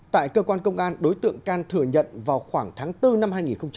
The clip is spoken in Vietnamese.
tại cơ quan công an đối tượng can thừa nhận vào khoảng tháng bốn năm hai nghìn hai mươi